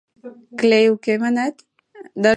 Клей уке, манат?